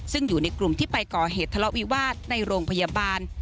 ซึ่งอยู่ในกลุ่มที่ไปก่อเหตุทะเลาะวิวาสในโรงพยาบาล